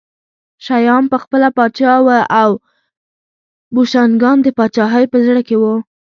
شیام پخپله پاچا و او بوشنګان د پاچاهۍ په زړه کې وو